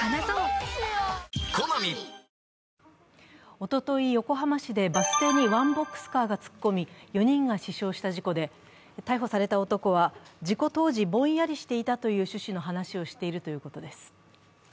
おととい、横浜市でバス停にワンボックスカーが突っ込み４人が死傷した事故で、逮捕された男は、事故当時ぼんやりしていたという趣旨の話をしているということです。